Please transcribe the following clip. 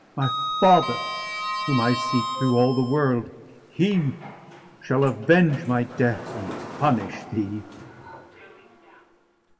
My father, whom I seek through all the world, He shall avenge my death, and punish thee!"